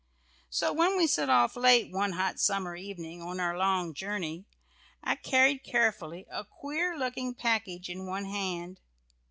So when we set off late one hot summer evening, on our long journey, I carried carefully, a queer looking package in one hand.